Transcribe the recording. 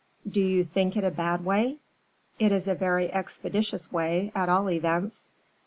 "Do you think it a bad way?" "It is a very expeditious way, at all events."